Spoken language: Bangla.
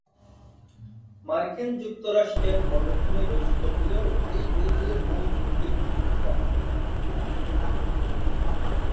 মার্কিন যুক্তরাষ্ট্রের পটভূমিতে রচিত হলেও এই বইগুলির মূল ভিত্তি গ্রিক পুরাণ।